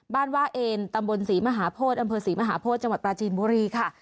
บ้านว่าเอ็นตำบลศรีมหาโพธิอำเภอศรีมหาโพธิจังหวัดปราจีนบุรีค่ะ